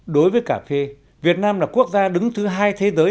đối với cà phê việt nam là quốc gia đứng thứ hai thế giới